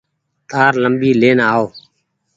تآر ليمبي لين آئو۔